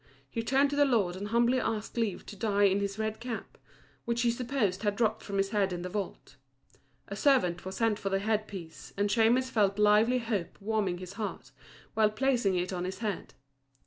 He turned to the lord and humbly asked leave to die in his red cap, which he supposed had dropped from his head in the vault. A servant was sent for the head piece, and Shemus felt lively hope warming his heart while placing it on his head.